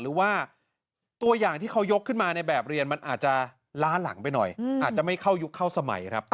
หรือว่าตัวอย่างที่เขายกขึ้นมาในแบบเรียนมันอาจจะล้าหลังไปหน่อยอาจจะไม่เข้ายุคเข้าสมัยครับ